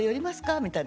みたいな。